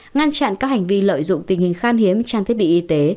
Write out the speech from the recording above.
ngăn chặn các hành vi lợi dụng tình hình khan hiếm trang thiết bị y tế